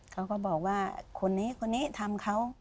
เขาก็บอกว่าคนนี้คนนี้ทำเขา